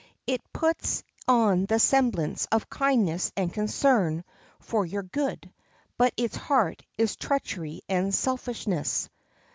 It puts on the semblance of kindness and concern for your good, but its heart is treachery and selfishness.